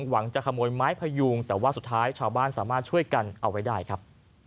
หวังจะขโมยไม้พยุงแต่ว่าสุดท้ายชาวบ้านสามารถช่วยกันเอาไว้ได้ครับ